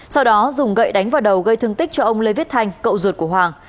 sau đó dùng gậy đánh vào đầu gây thương tích cho ông lê viết thanh cậu ruột của hoàng